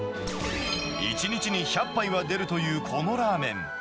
１日に１００杯は出るというこのラーメン。